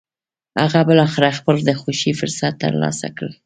هغه بالاخره خپل د خوښې فرصت تر لاسه کړ.